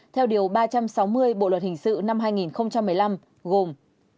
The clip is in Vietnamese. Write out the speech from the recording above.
theo điều ba trăm sáu mươi bộ luật hình sự năm hai nghìn một mươi năm gồm